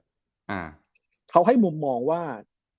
อ่าเขาให้มุมมองว่า